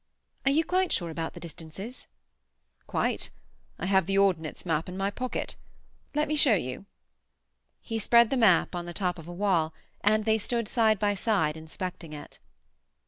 "Are you quite sure about the distances?" "Quite. I have the Ordnance map in my pocket. Let me show you." He spread the map on the top of a wall, and they stood side by side inspecting it.